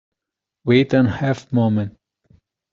Wait one half-moment.